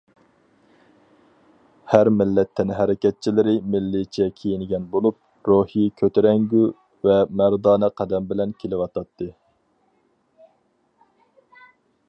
ھەر مىللەت تەنھەرىكەتچىلىرى مىللىيچە كىيىنگەن بولۇپ، روھى كۆتۈرەڭگۈ ۋە مەردانە قەدەم بىلەن كېلىۋاتاتتى.